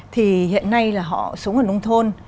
thì hiện nay là họ sống ở nông thôn